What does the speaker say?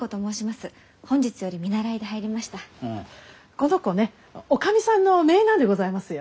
この子ね女将さんの姪なんでございますよ。